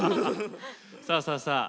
さあさあさあ